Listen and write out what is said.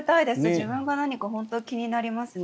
自分が何か本当、気になりますね。